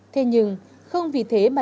thế nhưng không vì thế mà là